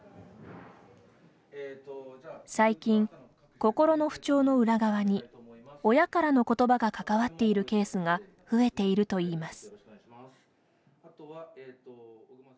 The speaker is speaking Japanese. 最近、心の不調の裏側に親からの言葉が関わっているケースが増えているといいます。